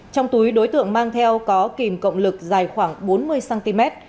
trong túi đối tượng mang theo có kìm cộng lực dài khoảng bốn mươi cm